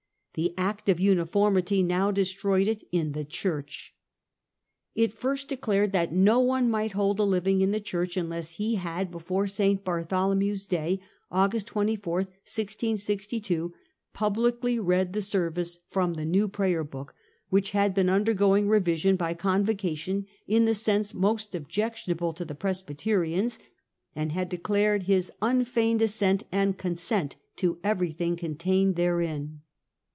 The Act of Uniformity now Act of destroyed it in the Church. It first declared May 0 ™ 1 ^'^ at no one m i&ht hold a living in the Church 1662. ' unless he had, before St. Bartholomew's Day, August 24, 1662, publicly read the service from the new Prayer Book, which had been undergoing revision by Convocation in the sense most objectionable to the Pres byterians, and had declared his ' unfeigned assent and consent* to everything contained therein.